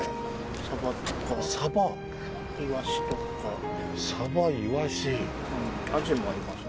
サバとかサバ？イワシとかサバイワシアジもありますよ